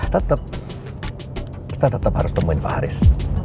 tetep kita tetep harus temuin pak haris